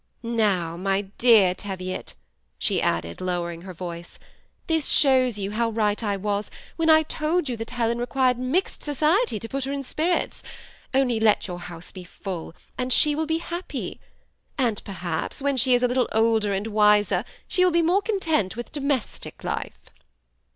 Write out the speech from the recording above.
"Now, my dear Teviot," she added, lowering her voice, " this shows you how right I was, when I told you that Helen requires mixed society to put her in spirits. Only let your house be full, and she will be happy; and, perhaps, when she is a little older and wiser she will be content with a more domestic life."